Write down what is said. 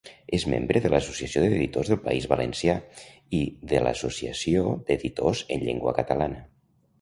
És membre de l'Associació d'editors del País Valencià i de l'Associació d'Editors en llengua Catalana.